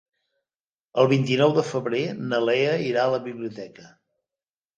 El vint-i-nou de febrer na Lea irà a la biblioteca.